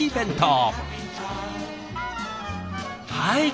はい！